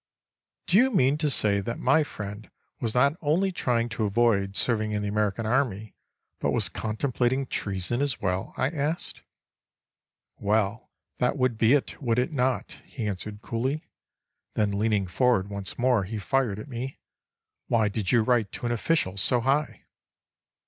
"Do you mean to say that my friend was not only trying to avoid serving in the American Army but was contemplating treason as well?" I asked. "Well, that would be it, would it not?" he answered coolly. Then, leaning forward once more, he fired at me: "Why did you write to an official so high?"